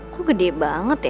kok gede banget ya